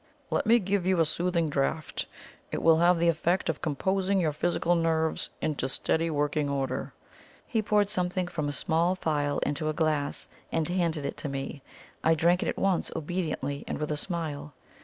Let me give you a soothing draught; it will have the effect of composing your physical nerves into steady working order." He poured something from a small phial into a glass, and handed it to me. I drank it at once, obediently, and with a smile.